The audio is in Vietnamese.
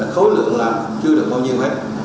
khối lượng làm chưa được bao nhiêu hết